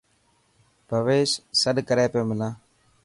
ڀويش سڏ ڪري پيو منا.